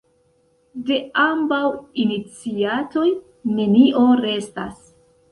De ambaŭ iniciatoj nenio restas.